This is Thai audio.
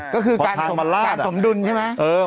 ก็คือการสมดุลใช่ไหม